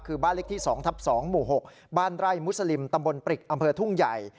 คือบ้านเล็กที่๒ทับ๒หมู่๖บ้านไร่มุสลิมตำบลปริกอำเภอทุ่งใหญ่